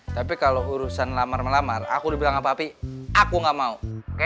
tapi kalau urusan lamar melamar aku udah bilang ke papi aku gak mau oke